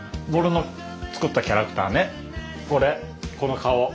これこの顔。